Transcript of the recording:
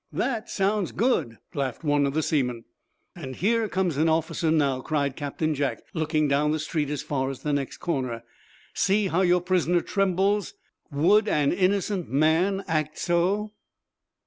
"That sounds good," laughed one of the seamen. "And here comes an officer now," cried Captain Jack, looking down the street as far as the next corner. "See how your prisoner trembles. Would an innocent man act so?"